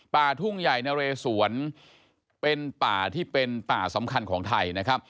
ป่าทุ่งใหญ่นะเรสวนเป็นป่าที่เป็นป่าสำคัญของไทยนะครับ